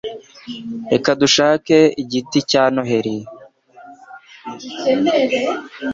Reka tujye gushaka igiti cya Noheri